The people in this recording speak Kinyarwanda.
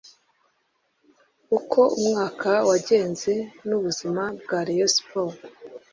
uko umwaka wagenze n’ubuzima bwa Rayon Sports